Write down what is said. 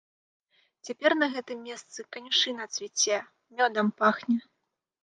Цяпер на гэтым месцы канюшына цвіце, мёдам пахне.